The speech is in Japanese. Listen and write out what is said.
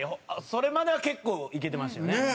それまでは結構いけてましたよね。